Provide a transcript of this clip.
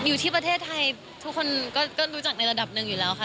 อยู่ที่ประเทศไทยทุกคนก็รู้จักในระดับหนึ่งอยู่แล้วค่ะ